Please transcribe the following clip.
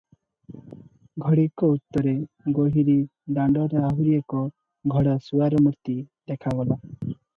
ଘଡ଼ିକ ଉତ୍ତରେ ଗୋହିରୀ ଦାଣ୍ତରେ ଆହୁରି ଏକ ଘୋଡ଼ାସୁଆର ମୂର୍ତ୍ତି ଦେଖାଗଲା ।